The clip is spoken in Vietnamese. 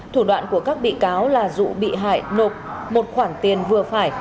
thủ đoạn của các bị cáo là dụ bị hại nộp một khoản tiền vừa phải